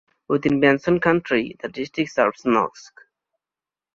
Within Benson County the district serves Knox.